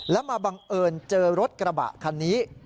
แล้วมาบังเอิญเจอรถกระบะคันนี้